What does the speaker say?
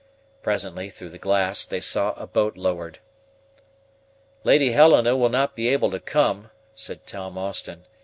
Presently, through the glass, they saw a boat lowered. "Lady Helena will not be able to come," said Tom Austin.